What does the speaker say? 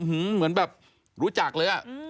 เหมือนแบบรู้จักเลยอะ